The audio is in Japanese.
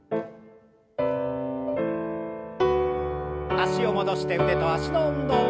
脚を戻して腕と脚の運動。